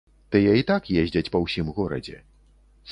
Тыя і так ездзяць па ўсім горадзе.